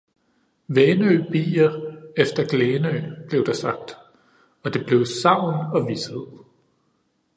Vænø bier efter glænø, blev der sagt, og det blev sagn og vished